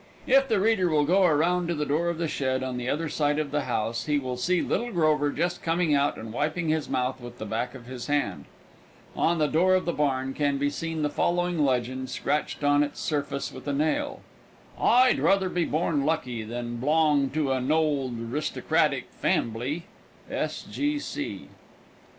If the reader will go around to the door of the shed on the other side of the house, he will see little Grover just coming out and wiping his mouth with the back of his hand. On the door of the barn can be seen the following legend, scratched on its surface with a nail: "I druther be born lucky than blong to a nold Ristocratic fambly.